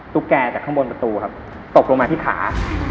แกจากข้างบนประตูครับตกลงมาที่ขา